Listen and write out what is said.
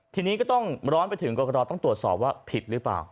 ทีนี้ก็ต้องร้อนไปถึงกรกตต้องตรวจสอบว่าผิดหรือเปล่า